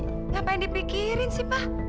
ngapain dipikirin sih pak